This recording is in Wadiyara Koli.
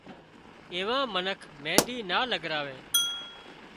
ايوان منک مينۮِي نا لڳراوي